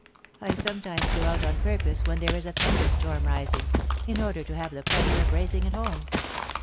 I sometimes go out on purpose when there is a thunderstorm rising, in order to have the pleasure of racing it home.